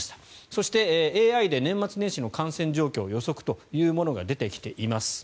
そして、ＡＩで年末年始の感染状況予測というものが出てきています。